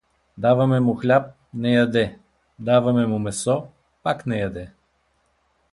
Даваме му хляб — не яде, даваме му месо — пак не яде.